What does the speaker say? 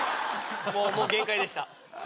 もう限界でした。